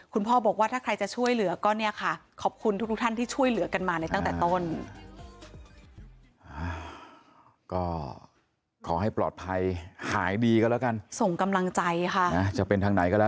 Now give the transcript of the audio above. คุณพ่อบอกว่าถ้าใครจะช่วยเหลือก็